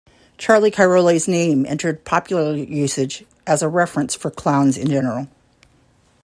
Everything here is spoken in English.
Charlie Cairoli's name entered popular usage as a reference for clowns in general.